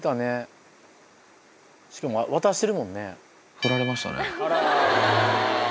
振られましたね。